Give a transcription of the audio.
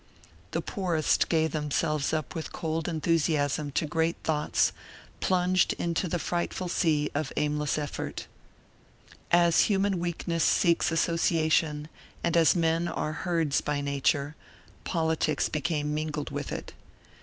The poorest gave themselves up with cold enthusiasm to great thoughts, plunged into the frightful sea of aimless effort. As human weakness seeks association and as men are herds by nature, politics became mingled with it.